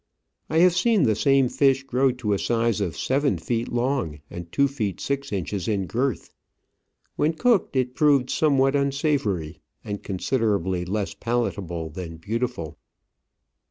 I have seen the same fish grow to a size of seven feet long and two feet six inches in girth. When cooked it proved somewhat unsavoury, and considerably less palatable than beau tiful.